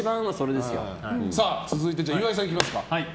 続いて、岩井さんいきますか。